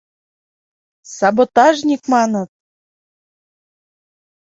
— Саботажник маныт!